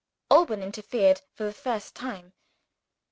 Alban interfered for the first time.